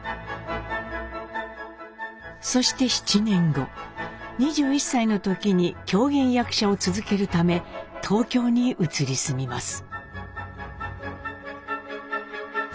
そして７年後２１歳の時に狂言役者を続けるため東京に移り住みます。